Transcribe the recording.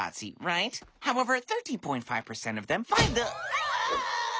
うわ！